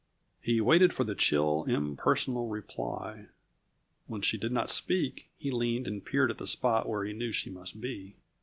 He waited for the chill, impersonal reply. When she did not speak, he leaned and peered at the spot where he knew she must be.